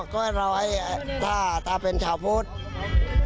ก็ให้เราถ้าเป็นชาวพุทธ